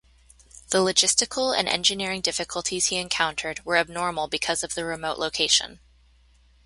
The logistical and engineering difficulties he encountered were abnormal because of the remote location.